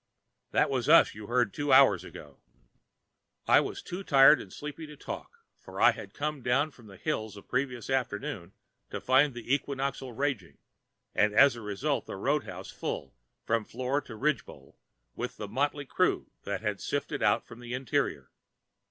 That was us you heard two hours ago." I was too tired and sleepy to talk, for I had come down from the hills the previous afternoon to find the equinoxial raging, and as a result the roadhouse full from floor to ridge pole with the motley crew that had sifted out from the interior.